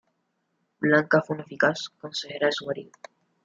Blanca fue una eficaz consejera de su marido.